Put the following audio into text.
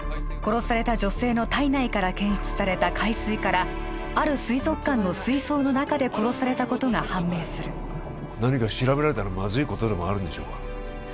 殺された女性の体内から検出された海水からある水族館の水槽の中で殺されたことが判明する何か調べられたらまずいことでもあるんでしょうか